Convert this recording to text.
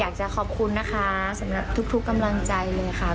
อยากจะขอบคุณนะคะสำหรับทุกกำลังใจเลยค่ะ